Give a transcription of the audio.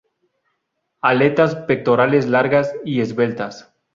Aletas pectorales largas y esbeltas.